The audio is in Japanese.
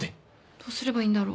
どうすればいいんだろ。